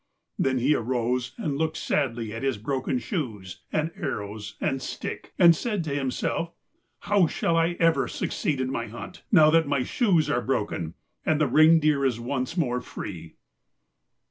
Then he arose and looked sadly at his broken shoes and arrows and stick, and said to himself: 'How shall I ever succeed in my hunt, now that my shoes are broken, and the reindeer is once more free?'